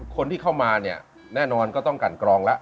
คนที่เข้ามาเนี่ยแน่นอนก็ต้องกันกรองแล้ว